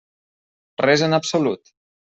Res en absolut.